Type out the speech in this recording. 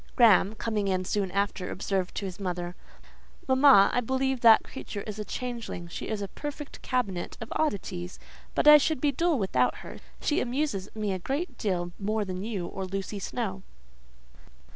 Graham, coming in soon after, observed to his mother,—"Mamma, I believe that creature is a changeling: she is a perfect cabinet of oddities; but I should be dull without her: she amuses me a great deal more than you or Lucy Snowe."